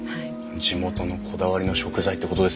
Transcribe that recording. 地元のこだわりの食材ってことですね。